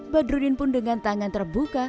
badrudin pun dengan tangan terbuka